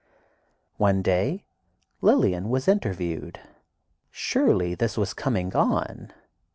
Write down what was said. One day Lillian was interviewed. Surely this was "coming on."